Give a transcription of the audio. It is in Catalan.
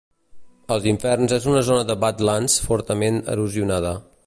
Els inferns és una zona de badlands fortament erosionada.